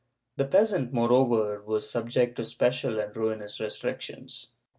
The peasant, moreover, was subject to special and ruinous restrictions.